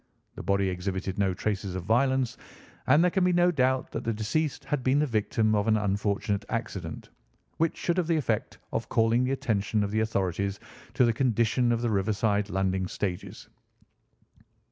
The body exhibited no traces of violence, and there can be no doubt that the deceased had been the victim of an unfortunate accident, which should have the effect of calling the attention of the authorities to the condition of the riverside landing stages.